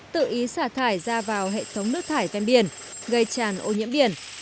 tự ý xả thải ra vào hệ thống nước thải ven biển gây tràn ô nhiễm biển